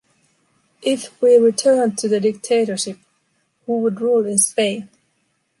If we returned to the dictatorship, who would rule in Spain?